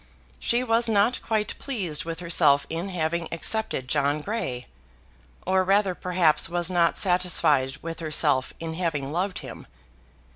She was not quite pleased with herself in having accepted John Grey, or rather perhaps was not satisfied with herself in having loved him.